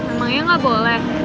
emangnya gak boleh